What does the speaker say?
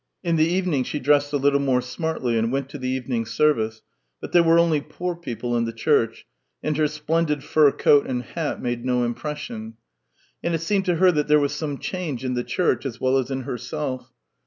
In the evening she dressed a little more smartlv and went to the evening service. But there were only poor people in the church, and her splendid fur coat and hat made no impression. And it seemed to her that there was some change in the church as well as in herself.